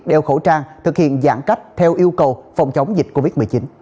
đeo khẩu trang thực hiện giãn cách theo yêu cầu phòng chống dịch covid một mươi chín